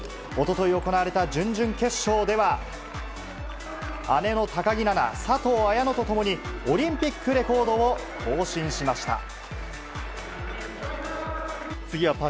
一昨日行われた準々決勝では姉の高木菜那、佐藤綾乃と共にオリンピックレコードを更新しました。